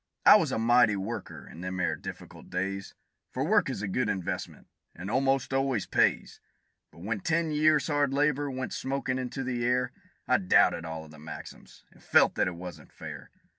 I was a mighty worker, in them 'ere difficult days, For work is a good investment, and almost always pays; But when ten years' hard labor went smokin' into the air. I doubted all o' the maxims, an' felt that it wasn't fair.